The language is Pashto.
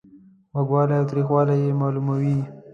خوږوالی او تریووالی یې معلوموي.